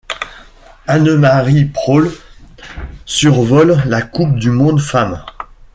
Annemarie Pröll survole la coupe du monde Femmes.